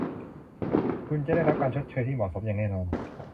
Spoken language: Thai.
คุณจะได้รับการชดเชยที่เหมาะสมอย่างแน่นอน